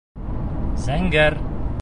Зәңгәр